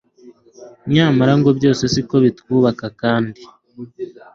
nyamara ngo byose siko bitwubaka kandi